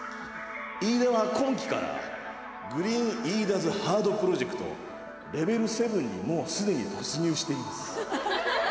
イイダは今期からグリーンイイダズハードプロジェクトレベル７にもうすでに突入しています。